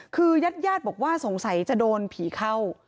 คือยาดบอกว่าสงสัยจะโดนผีเข้า